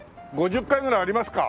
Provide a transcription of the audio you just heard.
５０階ぐらいありますか？